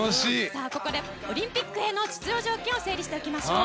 ここでオリンピックへの出場条件を整理しておきましょう。